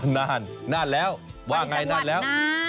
น่านน่านแล้วว่าอย่างไรน่านน่าน